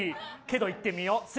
けど行ってみよう。